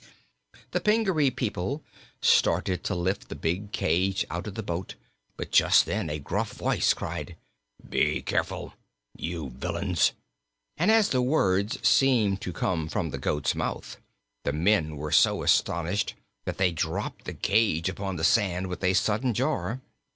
Hoo, hoo, hoo keek, eek!" The Pingaree people started to lift the big cage out of the boat, but just then a gruff voice cried: "Be careful, you villains!" and as the words seemed to come from the goat's mouth the men were so astonished that they dropped the cage upon the sand with a sudden jar.